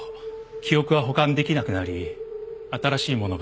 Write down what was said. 記憶が保管できなくなり新しいものが覚えられない。